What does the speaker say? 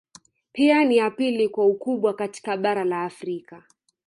Pia ni ya pili kwa ukubwa katika Bara la Afrika